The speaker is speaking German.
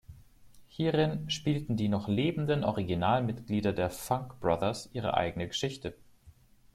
Hierin spielten die noch lebenden Originalmitglieder der "Funk Brothers" ihre eigene Geschichte.